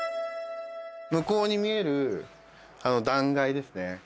向こうに見える断崖ですね